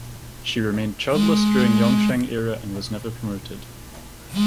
She remained childless during Yongzheng era and was never promoted.